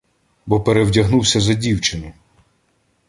— Бо перевдягнуся за дівчину.